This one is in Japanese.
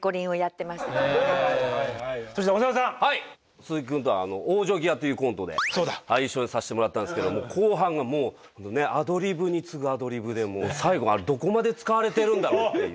鈴木君とは「往生際」というコントで一緒にさせてもらったんですけども後半がもうねアドリブに次ぐアドリブで最後どこまで使われてるんだろうっていう。